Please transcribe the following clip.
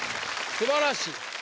すばらしい。